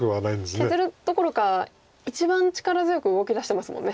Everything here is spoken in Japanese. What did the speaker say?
確かに削るどころか一番力強く動き出してますもんね。